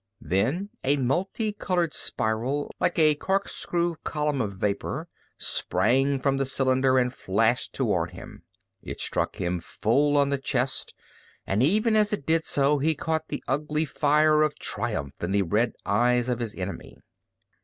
Then a multicolored spiral, like a corkscrew column of vapor, sprang from the cylinder and flashed toward him. It struck him full on the chest and even as it did so he caught the ugly fire of triumph in the red eyes of his enemy.